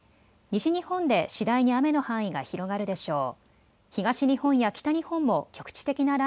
西日本で次第に雨の範囲が広がるでしょう。